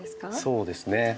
そうですね。